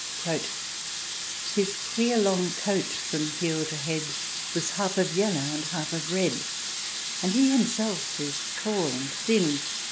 ..." His queer long coat from heel to head Was half of yellow, half of red. And he himself was tall and thin.